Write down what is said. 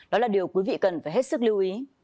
đó là điều quý vị cần phải hết sức lưu ý